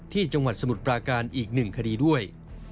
ที่จังหวัดสมุทรปราการอีกหนึ่งคดีด้วย